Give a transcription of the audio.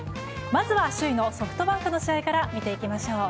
まずは首位のソフトバンクの試合から見ていきましょう。